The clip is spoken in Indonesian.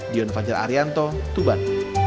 dion fajar arianto tuban